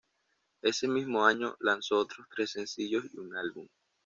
Ese mismo año, lanzó otros tres sencillos y un álbum.